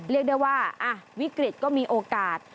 เรียกได้ว่าวิกฤตก็มีโอกาส